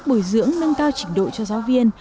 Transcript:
bồi dưỡng nâng cao trình độ cho giáo viên